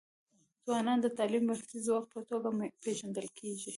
ځوانان د تعلیم د بنسټیز ځواک په توګه پېژندل کيږي.